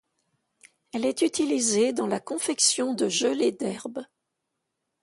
Elle est utilisée dans la confection de gelée d'herbe.